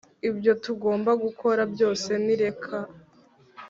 ibyo tugomba gukora byose ni reka!